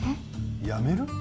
やめる？